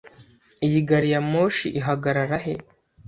Iyi gari ya moshi ihagarara he?